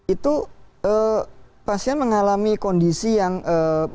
itu pasien mengalami kondisi yang menurut kami